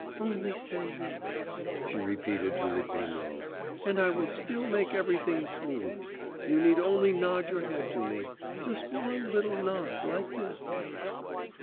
'Only say "yes,"' she repeated to Litvinov; 'and I will still make everything smooth.... You need only nod your head to me, just one little nod like this.